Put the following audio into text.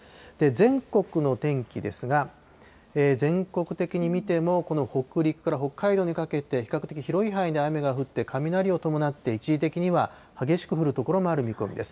全国の天気ですが、全国的に見ても、この北陸から北海道にかけて、比較的広い範囲で雨が降って、雷を伴って一時的には激しく降る所もある見込みです。